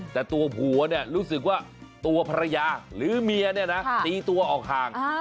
แต่ตัวผัวรู้สึกว่าตัวภรรยาหรือเมียตีตัวออกห่าง